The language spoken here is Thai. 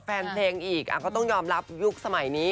แฟนเพลงอีกก็ต้องยอมรับยุคสมัยนี้